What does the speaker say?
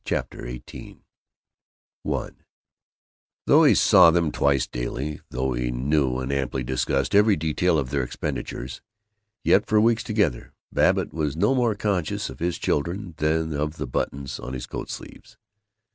CHAPTER XVIII I Though he saw them twice daily, though he knew and amply discussed every detail of their expenditures, yet for weeks together Babbitt was no more conscious of his children than of the buttons on his coat sleeves.